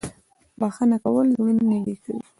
• بښنه کول زړونه نږدې کوي.